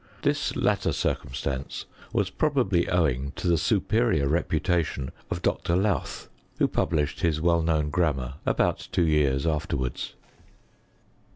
This latter circumstance was probably owing to the superior reputation of Dr. Lowth, who published his well known grammar about two years afterwards.